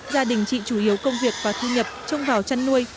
gia đình chị chủ yếu công việc và thu nhập trông vào chăn nuôi